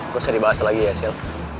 nggak usah dibahas lagi ya sil